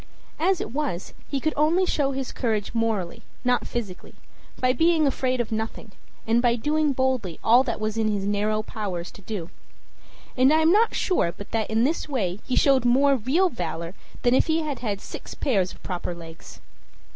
As it was, he could only show his courage morally, not physically, by being afraid of nothing, and by doing boldly all that it was in his narrow powers to do. And I am not sure but that in this way he showed more real valor than if he had had six pairs of proper legs.